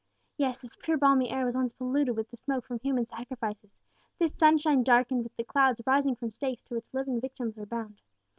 Yes; this pure balmy air was once polluted with the smoke from human sacrifices this sunshine darkened with the clouds rising from stakes to which living victims were bound!